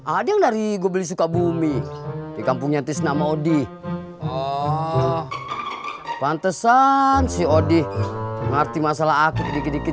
ada dari gua beli sukabumi di kampungnya tisnama odi oh pantesan si odi ngerti masalah aku dikit